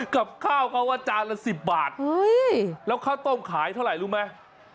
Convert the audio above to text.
กับข้าวเขาว่าจานละ๑๐บาทแล้วข้าวต้มขายเท่าไหร่รู้ไหม